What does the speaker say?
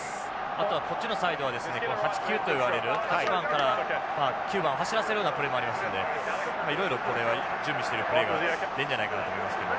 あとはこっちのサイドはですね８９といわれる８番から９番を走らせるようなプレーもありますんでいろいろこれは準備してるプレーが出るんじゃないかなと思いますけど。